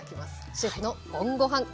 シェフのＯＮごはん